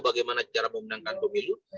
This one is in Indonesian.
bagaimana cara memenangkan pemilu